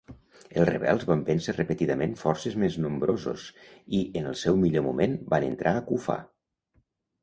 Els rebels van vèncer repetidament forces més nombrosos i, en el seu millor moment, van entrar Kufah.